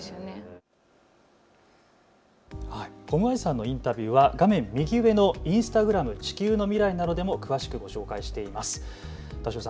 コムアイさんのインタビューは画面右上のインスタグラム地球のミライなどでも詳しく紹介してます。